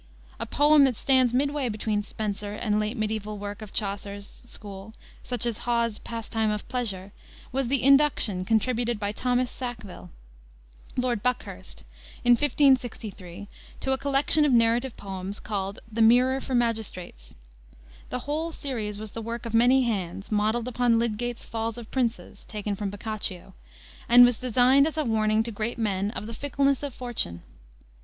A poem that stands midway between Spenser and late mediaeval work of Chaucer's school such as Hawes's Passetyme of Pleasure was the Induction contributed by Thomas Sackville, Lord Buckhurst, in 1563 to a collection of narrative poems called the Mirrour for Magistrates. The whole series was the work of many hands, modeled upon Lydgate's Falls of Princes (taken from Boccaccio), and was designed as a warning to great men of the fickleness of fortune.